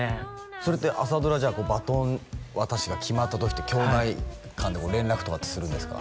それって朝ドラバトン渡しが決まった時って兄弟間で連絡とかってするんですか？